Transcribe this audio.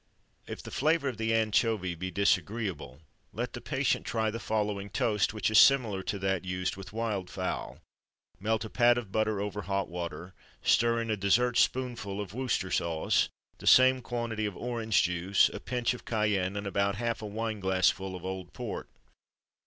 If the flavour of the anchovy be disagreeable, let the patient try the following toast, which is similar to that used with wildfowl: Melt a pat of butter over hot water, stir in a dessert spoonful of Worcester sauce, the same quantity of orange juice, a pinch of cayenne, and about half a wine glassful of old port.